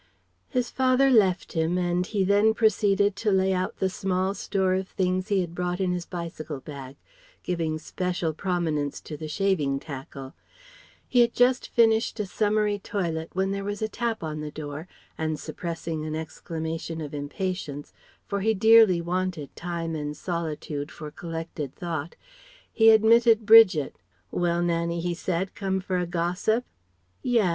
His father left him and he then proceeded to lay out the small store of things he had brought in his bicycle bag, giving special prominence to the shaving tackle. He had just finished a summary toilet when there was a tap on the door, and, suppressing an exclamation of impatience for he dearly wanted time and solitude for collected thought he admitted Bridget. "Well, Nannie," he said, "come for a gossip?" "Yess.